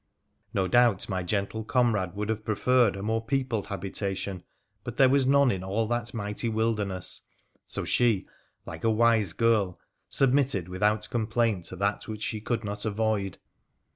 No doubt my gentle comrade would have preferred a more peopled habitation, but there was none in all that mighty wilderness, so she, like a wise girl, submitted without complaint to that which she could not avoid.